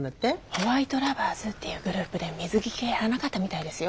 ホワイトラバーズっていうグループで水着系やらなかったみたいですよ。